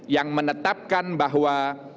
yang menetapkan bahwa